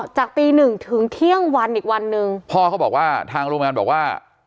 จากตีหนึ่งถึงเที่ยงวันอีกวันนึงพ่อเขาบอกว่าทางโรงพยาบาลบอกว่า